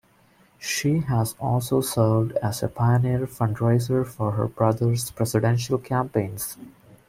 She has also served as a pioneer fundraiser for her brother's presidential campaigns.